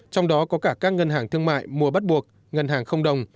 trong đó có cả các ngân hàng thương mại mua bắt buộc ngân hàng không đồng